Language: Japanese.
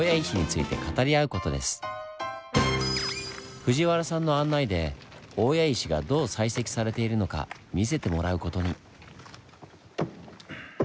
藤原さんの案内で大谷石がどう採石されているのか見せてもらう事に。